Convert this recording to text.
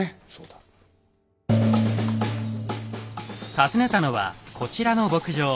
訪ねたのはこちらの牧場。